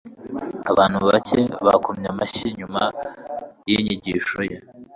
abantu bake bakomye amashyi nyuma yinyigisho ye